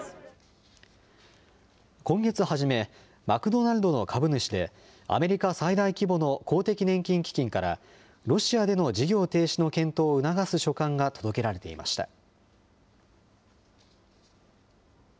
今月初め、マクドナルドの株主でアメリカ最大規模の公的年金基金からロシアでの事業停止の検討を促す書簡が届けられていました。